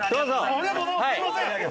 ありがとうございます。